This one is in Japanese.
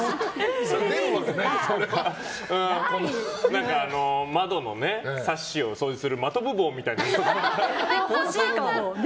何か、窓のサッシを掃除する真飛棒みたいなね。